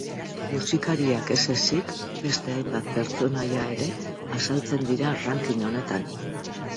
Musikariak ez ezik, beste hainbat pertsonaia ere azaltzen dira ranking honetan.